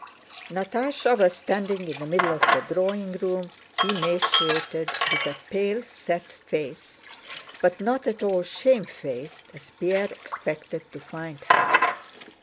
Natásha was standing in the middle of the drawing room, emaciated, with a pale set face, but not at all shamefaced as Pierre expected to find her.